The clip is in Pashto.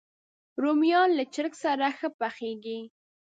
رومیان له چرګ سره ښه پخېږي